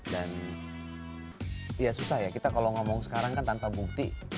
dan ya susah ya kita kalau ngomong sekarang kan tanpa bukti